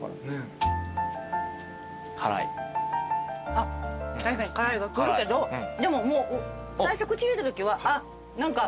あっ確かに辛いが来るけどでも最初口入れたときは何か。